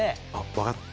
分かった。